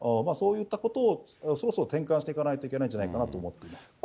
そういったことをそろそろ転換していかないといけないんじゃないかなと思っています。